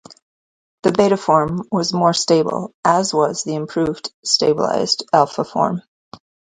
The beta form was more stable, as was the improved stabilized alpha form.